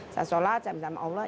saya sholat sama sama allah